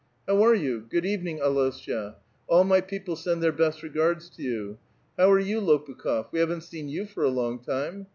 '• How are you? good evening, Al6sha : all my people send their hest regards to you. How are you, Lopukh6f ; we havi'u't seen you for a long time.